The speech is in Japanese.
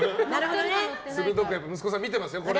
鋭く息子さん見てますね。